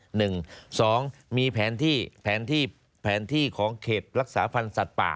หนึ่งสองมีแผนที่แผนที่แผนที่ของเขตรักษาพันธ์สัตว์ป่า